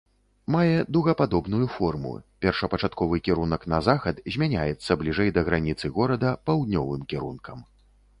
Мае дугападобную форму, першапачатковы кірунак на захад змяняцца бліжэй да граніцы горада паўднёвым кірункам.